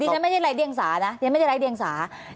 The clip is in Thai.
ฉันไม่ได้ไร้เดียงสานะฉันไม่ได้ไร้เดียงสา